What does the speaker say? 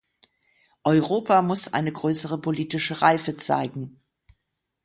Europa muss eine größere politische Reife zeigen.